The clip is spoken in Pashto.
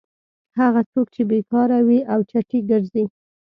هغه څوک چې بېکاره وي او چټي ګرځي.